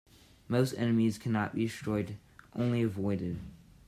Most enemies cannot be destroyed, only avoided.